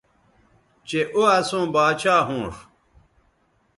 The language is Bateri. چہء او اسوں باچھا ھونݜ